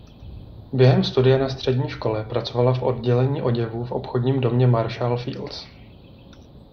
Během studia na střední škole pracovala v oddělení oděvů v obchodním domě "Marshall Fields".